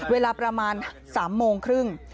เวลาประมาณ๓โมงครึ่ง